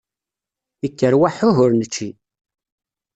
Ikker waḥuh ur nečči.